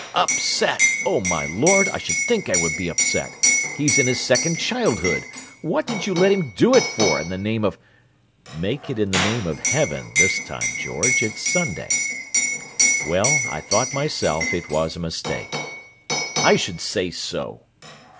"Upset! Oh, my Lord, I should think I would be upset! He's in his second childhood. What did you let him do it for, in the name of—" "Make it in the name of heaven this time, George; it's Sunday. Well, I thought, myself, it was a mistake." "I should say so!"